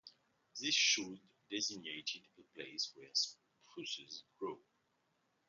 This should designate a place where spruces grow.